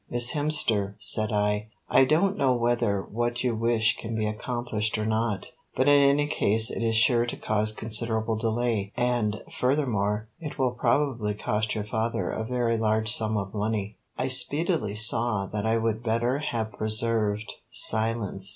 "Miss Hemster," said I, "I don't know whether what you wish can be accomplished or not; but in any case it is sure to cause considerable delay, and, furthermore, it will probably cost your father a very large sum of money." I speedily saw that I would better have preserved silence.